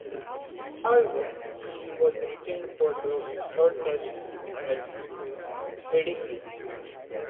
However, he was retained for the Third Test at Headingley.